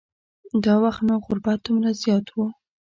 دا وخت نو غربت دومره زیات و.